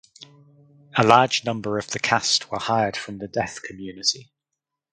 A large number of the cast were hired from the deaf community.